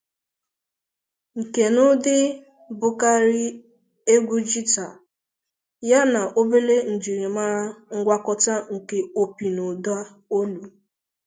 Nkenụụdị bụkarị egwu Jita, ya na ọbele njirimara ngwakọta nke opi na ụda olu.